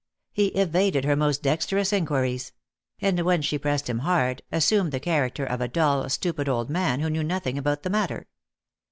He evaded her most dexterous inquiries; and when she pressed him hard, assumed the character of a dull, stupid old man who knew nothing about the matter.